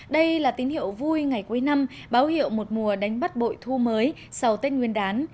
đây là tín hiệu vui ngày cuối năm báo hiệu một mùa đánh bắt bội thu mới sau tết nguyên đán